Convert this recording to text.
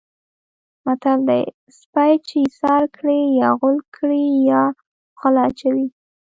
متل دی: سپی چې ایسار کړې یا غول کړي یا خوله اچوي.